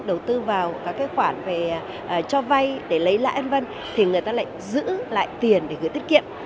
đầu tư vào các khoản cho vay để lấy lãi thì người ta lại giữ lại tiền để gửi tiết kiệm